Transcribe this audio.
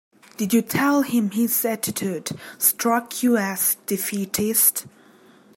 Did you tell him his attitude struck you as defeatist?